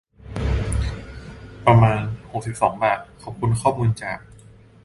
ประมาณ หกสิบสอง บาท ขอบคุณข้อมูลจาก